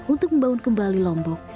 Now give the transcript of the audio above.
untuk membangun kembali lombok